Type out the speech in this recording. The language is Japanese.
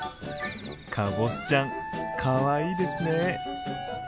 かぼすちゃんかわいいですね！